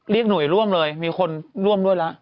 หน่วยร่วมเลยมีคนร่วมด้วยแล้ว